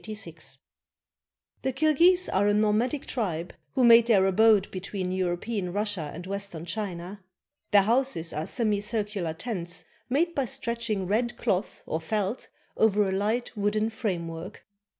1842 1904) The Kirghis are a nomadic tribe who make their abode be tween European Russia and Western China. Their houses are semicircular tents made by stretching red cloth or felt over a light wooden framework.